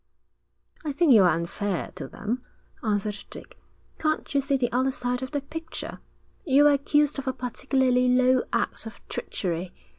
'I think you're unfair to them,' answered Dick. 'Can't you see the other side of the picture? You're accused of a particularly low act of treachery.